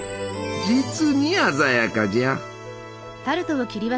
実に鮮やかじゃ。